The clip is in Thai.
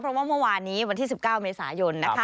เพราะว่าเมื่อวานนี้วันที่๑๙เมษายน